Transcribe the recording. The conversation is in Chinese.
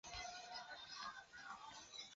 由此等可前往台铁沿线各站。